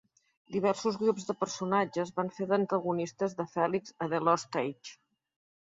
Diversos grups de personatges van fer d'antagonistes de Felix a "The Lost Age".